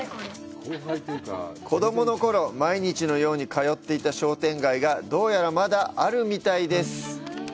子供の頃、毎日のように通っていた商店街がどうやらまだあるみたいです。